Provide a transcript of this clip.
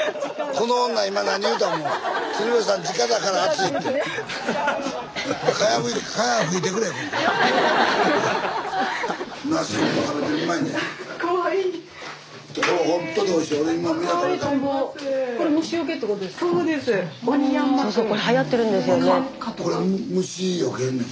これ虫よけんねん？